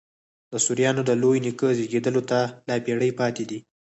د سوریانو د لوی نیکه زېږېدلو ته لا پېړۍ پاته دي.